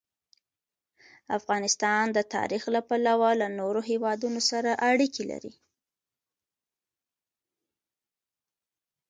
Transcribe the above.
افغانستان د تاریخ له پلوه له نورو هېوادونو سره اړیکې لري.